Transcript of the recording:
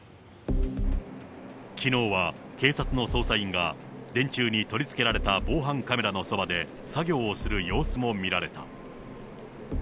きのうは警察の捜査員が電柱に取り付けられた防犯カメラのそばで作業をする様子も見られた。